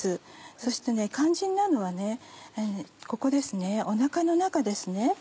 そして肝心なのはここですねおなかの中ですね。